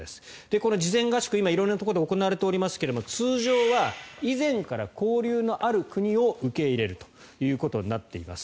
この事前合宿、今色々なところで行われていますが通常は以前から交流のある国を受け入れるということになっています。